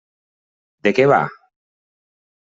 De què va?